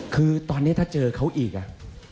คือตอนนี้ถ้าเจอเขาอีกอ่ะ